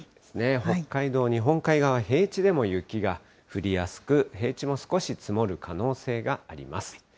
北海道日本海側、平地でも雪が降りやすく、平地も少し積もる可能性があります。